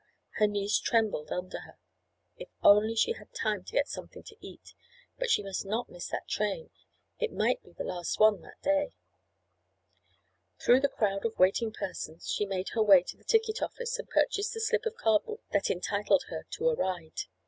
Her knees trembled under her. If only she had time to get something to eat! But she must not miss that train. It might be the last one that day. Through the crowd of waiting persons she made her way to the ticket office and purchased the slip of cardboard that entitled her to a ride.